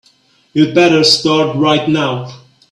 You'd better start right now.